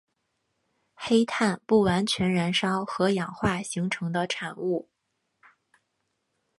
黑碳不完全燃烧和氧化形成的产物。